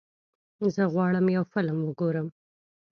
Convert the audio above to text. زه غواړم یو فلم وګورم.